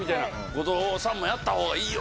後藤さんもやったほうがいいよ